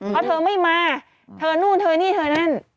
เพราะเธอไม่มาเธอนู่นเธอนี่เธอนั่น